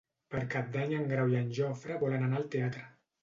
Per Cap d'Any en Grau i en Jofre volen anar al teatre.